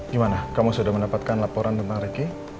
gimana kamu sudah mendapatkan laporan tentang ricky